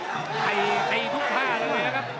ไฮไฮตีทุกภาพเลยนะครับ